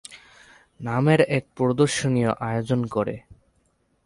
নামের এক প্রদর্শনীর আয়োজন করে।